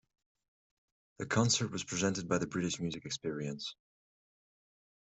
The concert was presented by the British Music Experience.